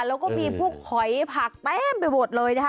แล้วก็มีพวกหอยผักเต็มไปหมดเลยนะคะ